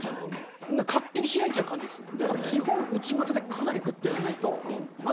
勝手に開いちゃう感じですね。